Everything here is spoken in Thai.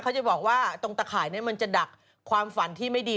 เขาจะบอกว่าตรงตะข่ายมันจะดักความฝันที่ไม่ดี